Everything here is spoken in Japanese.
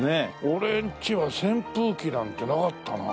俺ん家は扇風機なんてなかったな。